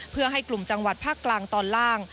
เพื่อให้กลุ่มจังหวัดภาคกลางตอนล่าง